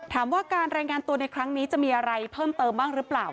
การรายงานตัวในครั้งนี้จะมีอะไรเพิ่มเติมบ้างหรือเปล่า